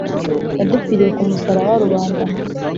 yadupfiriye ku musaraba. rubanda mwe